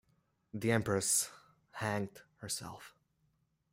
The empress hanged herself.